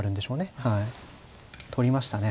銀で取りましたね。